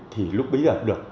thì lúc bây giờ được